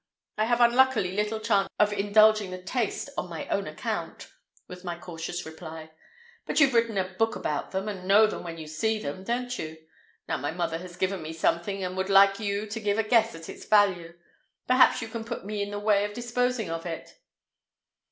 I have unluckily little chance of indulging the taste on my own account," was my cautious reply. "But you've written a book about them, and know them when you see them, don't you? Now my mother has given me something, and would like you to give a guess at its value. Perhaps you can put me in the way of disposing of it?"